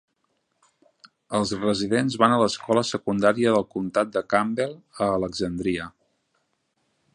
Els residents van a l'escola secundària del comtat de Campbell a Alexandria.